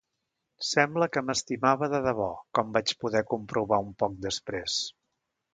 Sembla que m'estimava de debò, com vaig poder comprovar un poc després.